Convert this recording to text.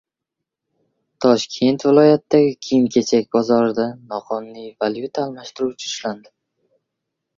Toshkent viloyatidagi kiyim-kechak bozorida noqonuniy valyuta almashtiruvchi ushlandi